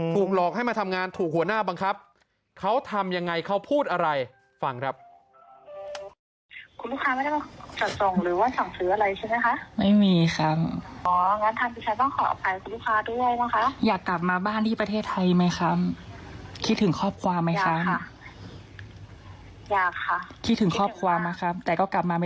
ถูกหลอกให้มาทำงานถูกหัวหน้าบังคับเขาทำยังไงเขาพูดอะไรฟังครับ